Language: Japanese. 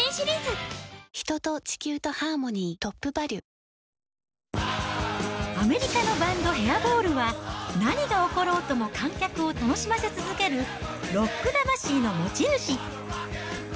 そんなヘアボールは、ライブ中、アメリカのバンド、ヘアボールは、何が起ころうとも観客を楽しませ続けるロック魂の持ち主。